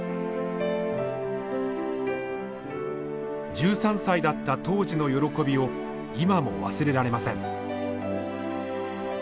１３歳だった当時の喜びを今も忘れられません。